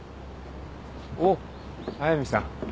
おっ速見さん。